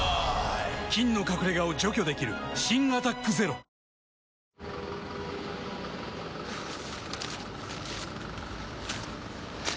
菌の隠れ家を除去できる新「アタックＺＥＲＯ」わあー！